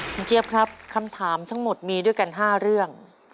คุณเจี๊ยบครับคำถามทั้งหมดมีด้วยกัน๕เรื่อง